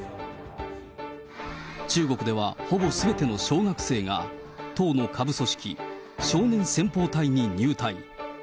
中国ではほぼすべての小学生が、党の下部組織、少年先ぽう隊に入隊。